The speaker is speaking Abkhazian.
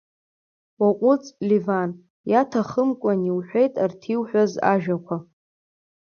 Уаҟәыҵ, Леван, иаҭахымкәан иуҳәеит арҭ иуҳәаз ажәақәа!